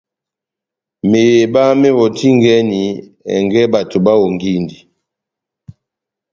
Meheba mewɔtingɛni ɛngɛ bato bahongindi.